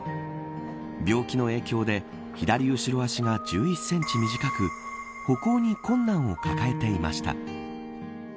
病気の影響で左足の後ろ足が１１センチ短く歩行に困難を抱えていました。